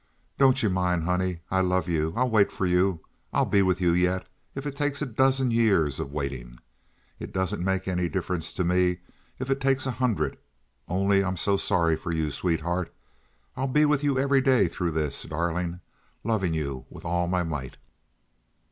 Don't you mind, honey. I love you. I'll wait for you. I'll be with you yet, if it takes a dozen years of waiting. It doesn't make any difference to me if it takes a hundred, only I'm so sorry for you, sweetheart. I'll be with you every day through this, darling, loving you with all my might."